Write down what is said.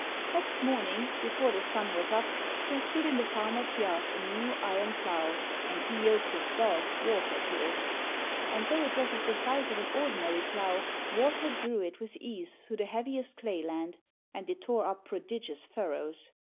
Next morning, before the sun was up, there stood in the farmer's yard a new iron plough, and he yoked his dog, Water, to it; and though it was of the size of an ordinary plough, Water drew it with ease through the heaviest clayland, and it tore up prodigious furrows.